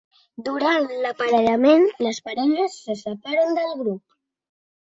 Durant l'aparellament, les parelles se separen del grup.